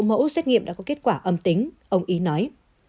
mẫu xét nghiệm đã có kết quả âm tính ông ý nói